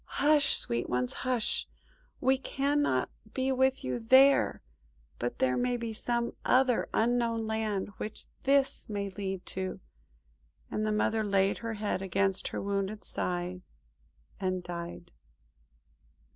"Hush, sweet ones, hush! We cannot be with you there. But there may be some other Unknown Land which this may lead to;" and the Mother laid her head against her wounded side and died.